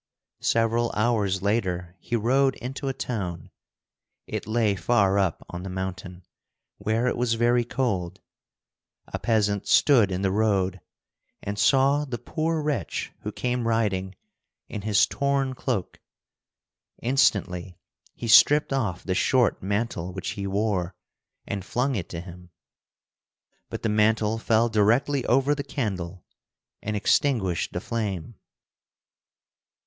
Several hours later he rode into a town. It lay far up on the mountain, where it was very cold. A peasant stood in the road and saw the poor wretch who came riding in his torn cloak. Instantly he stripped off the short mantle which he wore, and flung it to him. But the mantle fell directly over the candle and extinguished the flame.